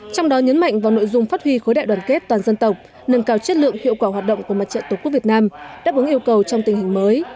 trong đó nhấn mạnh vào nội dung phát huy khối đại đoàn kết toàn dân tộc nâng cao chất lượng hiệu quả hoạt động của mặt trận tổ quốc việt nam đáp ứng yêu cầu trong tình hình mới